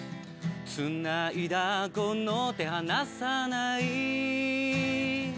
つないだこの手離さない